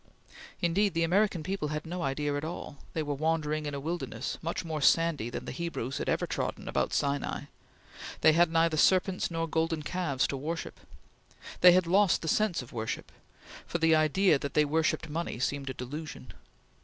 Indeed, the American people had no idea at all; they were wandering in a wilderness much more sandy than the Hebrews had ever trodden about Sinai; they had neither serpents nor golden calves to worship. They had lost the sense of worship; for the idea that they worshipped money seemed a delusion.